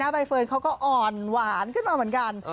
ใบเฟิร์นเขาก็อ่อนหวานขึ้นมาเหมือนกัน